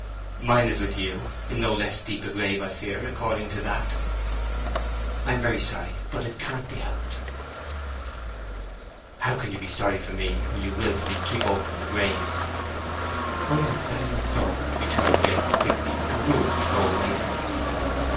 "Mine is with you—in no less deep a grave, I fear, according to that." "I am very sorry; but it cannot be helped." "How can you be sorry for me, when you wilfully keep open the grave?" "Oh no—that's not so," returned Grace, quickly, and moved to go away from him.